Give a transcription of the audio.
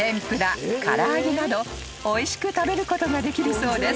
［などおいしく食べることができるそうです］